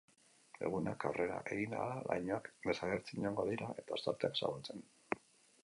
Egunak aurrera egin ahala, lainoak desagertzen joango dira eta ostarteak zabaltzen.